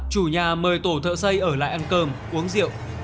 chủ nhà mời tổ thợ xây ở lại ăn cơm uống rượu